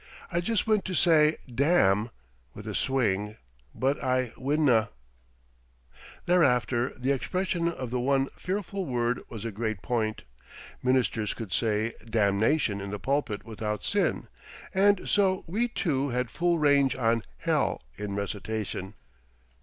I just want to say 'damn' [with a swing], but I winna." Thereafter the expression of the one fearful word was a great point. Ministers could say "damnation" in the pulpit without sin, and so we, too, had full range on "hell" in recitation.